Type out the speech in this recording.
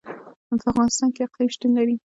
په افغانستان کې اقلیم شتون لري.